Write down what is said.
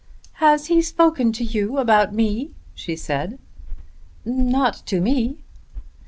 "Has he spoken to you about me?" she said. "Not to me."